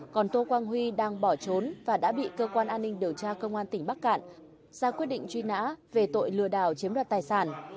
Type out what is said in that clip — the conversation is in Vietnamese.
còn tô quang huy đang bỏ trốn và đã bị cơ quan an ninh điều tra công an tỉnh bắc cạn ra quyết định truy nã về tội lừa đảo chiếm đoạt tài sản